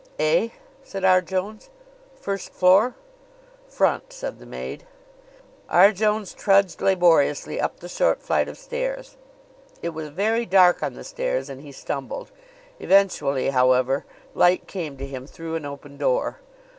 "Eh?" said R. Jones. "First floor?" "Front," said the maid. R. Jones trudged laboriously up the short flight of stairs. It was very dark on the stairs and he stumbled. Eventually, however, light came to him through an open door.